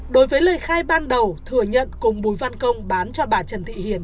đối với lời khai ban đầu thừa nhận cùng bùi văn công bán cho bà trần thị hiền